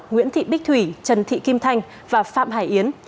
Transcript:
nguyễn thị bích thủy trần thị kim thanh và phạm hải yến